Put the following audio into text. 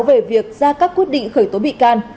về việc ra các quyết định khởi tố bị can